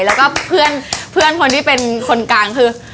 แล้วก็เพื่อนคนที่เป็นคนกลางคือ